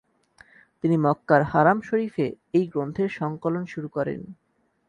তিনি মক্কার হারাম শরীফে এই গ্রন্থের সংকলন শুরু করেন।